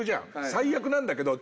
最悪なんだけど。